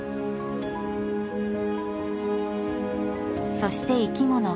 そして生き物。